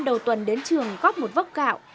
đầu tuần đến trường góp một vớt gạo